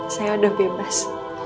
saya udah bebas